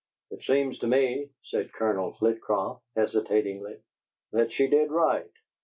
"It seems to me," said Colonel Flitcroft, hesitatingly, "that she did right.